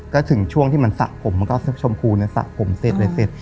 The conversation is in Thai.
ก็ถึงช่วงที่มันสระผมมันก็ชมพูเนี่ยสระผมเสร็จเลยเสร็จ